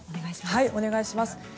お願いします。